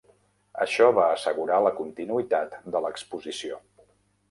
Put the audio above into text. Això va assegurar la continuïtat de l'exposició.